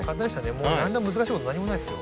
もう何ら難しいこと何もないですよ。